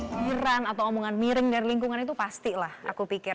pemirangan atau omongan miring dari lingkungan itu pasti lah aku pikir